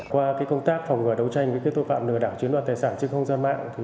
qua công tác phòng ngừa đấu tranh với tội phạm lừa đảo chiếm đoạt tài sản trên không gian mạng